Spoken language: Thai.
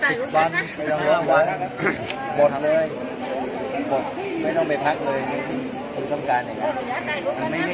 สวัสดีครับพี่เบนสวัสดีครับ